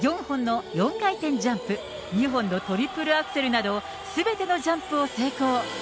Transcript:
４本の４回転ジャンプ、２本のトリプルアクセルなど、すべてのジャンプを成功。